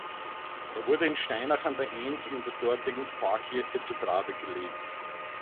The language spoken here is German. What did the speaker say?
Er wurde in Steinach an der Ens in der dortigen Pfarrkirche zu Grabe gelegt.